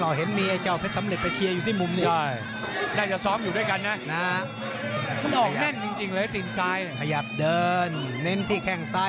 เราเห็นมีเจ้าเพชรสำเร็จไปเชียร์อยู่ที่มุมนี้